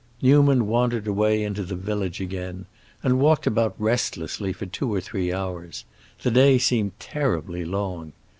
Newman wandered away into the village again, and walked about restlessly for two or three hours. The day seemed terribly long.